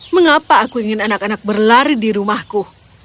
mengapa aku ingin anak anak berlari di rumahku